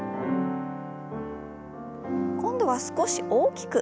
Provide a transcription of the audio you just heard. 今度は少し大きく。